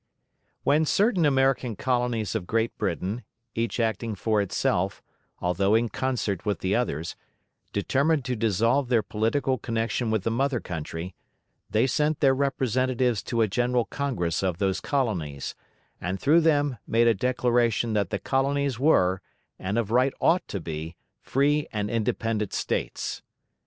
When certain American colonies of Great Britain, each acting for itself, although in concert with the others, determined to dissolve their political connection with the mother country, they sent their representatives to a general Congress of those colonies, and through them made a declaration that the Colonies were, and of right ought to be, "free and independent States."